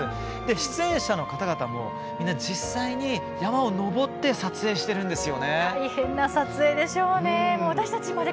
出演者の方たちは、実際に山を登って撮影しているんですよ。